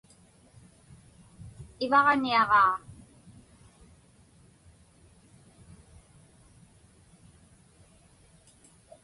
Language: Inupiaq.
Ivaġniaġaa.